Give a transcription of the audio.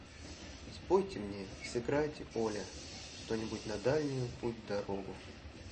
Спойте мне и сыграйте, Оля, что-нибудь на дальнюю путь-дорогу.